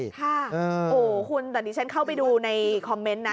ค่ะโอ้โหคุณแต่ดิฉันเข้าไปดูในคอมเมนต์นะ